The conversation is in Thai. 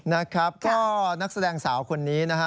นะครับก็นักแสดงสาวคนนี้นะฮะ